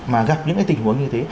mà gặp những cái tình huống như thế